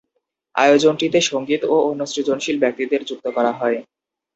আয়োজনটিতে সংগীত ও অন্য সৃজনশীল ব্যক্তিদের যুক্ত করা হয়।